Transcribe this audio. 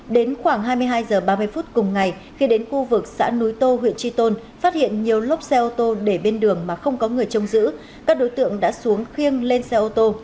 đến khoảng hai mươi hai h ba mươi phút cùng ngày khi đến khu vực xã núi tô huyện tri tôn phát hiện nhiều lốp xe ô tô để bên đường mà không có người trông giữ các đối tượng đã xuống khiêng lên xe ô tô